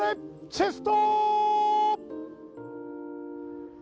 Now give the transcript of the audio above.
チェストー！